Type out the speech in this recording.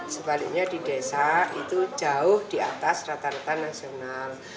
sebaliknya di desa itu jauh di atas rata rata nasional